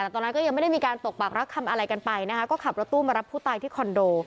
แต่ตอนนั้นก็ยังไม่ได้มีการตกปากรักคำอะไรกันไปนะคะก็ขับรถตู้มารับผู้ตายที่คอนโด